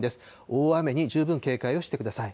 大雨に十分警戒をしてください。